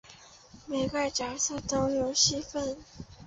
每个角色都有戏份